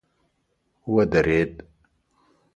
ودريد.